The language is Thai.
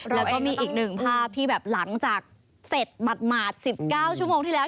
แล้วก็มีอีกหนึ่งภาพที่แบบหลังจากเสร็จหมาด๑๙ชั่วโมงที่แล้ว